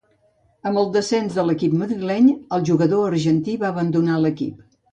Amb el descens de l'equip madrileny el jugador argentí va abandonar l'equip.